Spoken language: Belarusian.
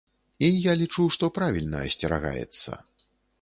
І я лічу, што правільна асцерагаецца.